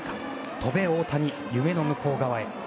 「翔べ大谷、夢の向こう側へ」。